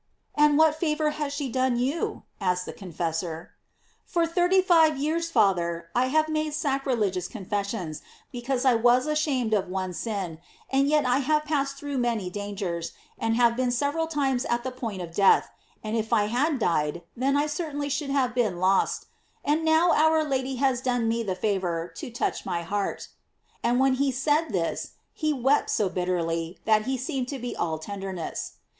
"And what favor has she done you ?"asked the confessor. "For thirty five years, Father, I have made sacrilegious confes sions, because I was ashamed of one sin, and yet I have passed through many dangers, and have been several times at the point of death, and if I had died then I certainly should have been lost ; and now our Lady has done me the favor to touch my heart ;" and when he said this he wept so bitterly, that he seemed to be all tender ness.